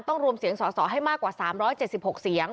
รวมเสียงสอสอให้มากกว่า๓๗๖เสียง